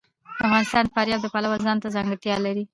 افغانستان د فاریاب د پلوه ځانته ځانګړتیا لري.